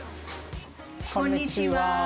こんにちは。